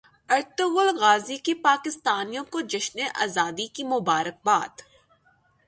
Ertugrul غازی کی پاکستانیوں کو جشن زادی کی مبارکباد